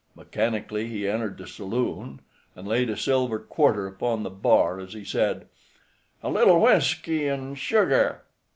Mechanically he entered the saloon, and laid a silver quarter upon the bar as he said: "A little whiskey an' sugar."